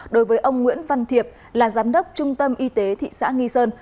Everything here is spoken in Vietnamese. đối với ông nguyễn văn thiệp là giám đốc trung tâm y tế thị xã nghi sơn